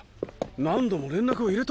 何度も連絡を入れたのに。